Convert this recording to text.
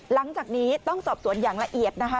หลังจากนี้ต้องสอบสวนอย่างละเอียดนะคะ